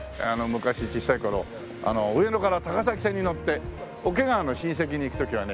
昔小さい頃上野から高崎線に乗って桶川の親戚に行く時はね